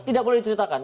tidak boleh diceritakan